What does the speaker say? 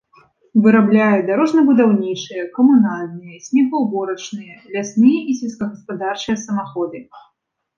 Вырабляе дарожна-будаўнічыя, камунальныя, снегаўборачныя, лясныя і сельскагаспадарчыя самаходы.